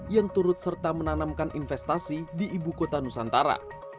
yang turut serta menanamkan investasi di ibu kota nusantara